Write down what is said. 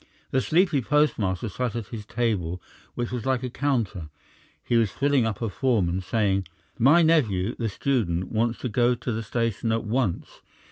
The sleepy postmaster sat at his table, which was like a counter; he was filling up a form and saying: "My nephew, the student, wants to go to the station at once.